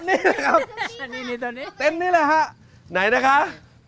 เห็นนี่แหละค่ะ